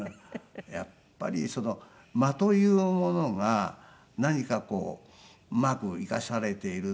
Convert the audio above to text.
やっぱり間というものが何かこううまく生かされているのですよね。